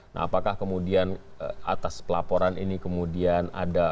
nah apakah kemudian atas pelaporan ini kemudian ada